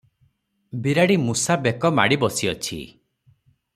ବିରାଡ଼ି ମୂଷା ବେକ ମାଡ଼ି ବସିଅଛି ।